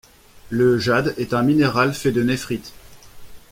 Le jade est un mineral fait de nephrite.